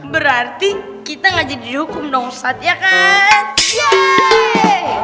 berarti kita gak jadi dihukum dong saatnya kan